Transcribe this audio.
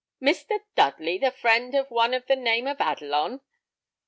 "Mr. Dudley, the friend of one of the name of Adelon!"